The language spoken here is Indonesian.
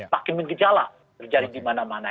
makin menggejala terjadi di mana mana